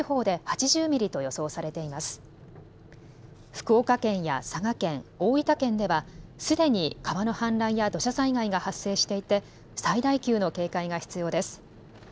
福岡県や佐賀県、大分県ではすでに川の氾濫や土砂災害が発生していて最大級の警戒が必要です。